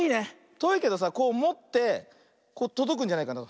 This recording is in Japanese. とおいけどさこうもってとどくんじゃないかな。